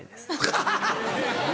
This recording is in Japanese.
ハハハ！